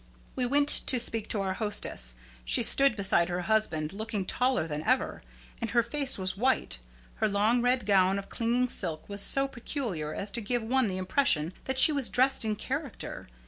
We went to speak to our hostess. She stood beside her husband, looking taller than ever; and her face was white. Her long red gown of clinging silk was so peculiar as to give one the impression that she was dressed in character.